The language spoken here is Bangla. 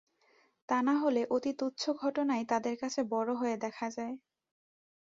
তা না হলে অতি তুচ্ছ ঘটনাই তাদের কাছে বড় হয়ে দেখা দেয়।